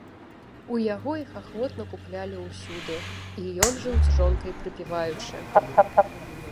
У яго іх ахвотна куплялі ўсюды, і ён жыў з жонкай прыпяваючы.